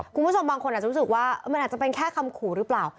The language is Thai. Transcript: คุณผู้ชมบางคนอาจจะรู้สึกว่ามันอาจจะเป็นแค่คำขู่หรือเปล่า